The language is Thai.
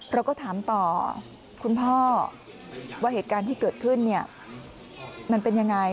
เราก็ถามต่อคุณพ่อว่าเหตุการณ์ที่เกิดขึ้นเนี่ยมันเป็นยังไง